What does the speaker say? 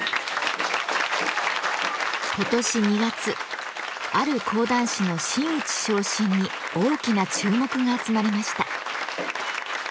今年２月ある講談師の真打ち昇進に大きな注目が集まりました。